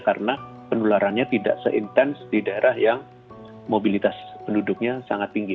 karena penularannya tidak se intens di daerah yang mobilitas penduduknya sangat tinggi